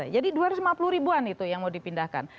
jadi dua ratus lima puluh ribuan itu yang mau dipindahkan